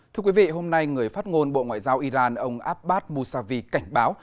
thưa quý vị hôm nay người phát ngôn bộ ngoại giao iran ông abbas mousavi cảnh báo